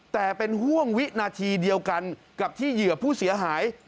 แต่เป็นห่วงวินาทีเดียวกันกับที่เหยื่อผู้เสียหาย